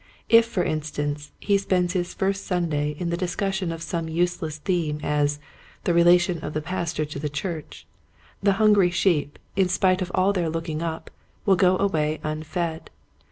If, for instance, he spends his first Sunday in the discus sion of some such useless theme as, " The relation of the Pastor to the Church," the hungry sheep in spite of all their looking up will go away unfed.